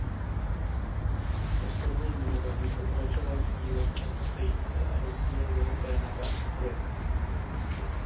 Posledně jmenovaný pokračoval v díle svého strýce a rozvíjel jeho témata a styl.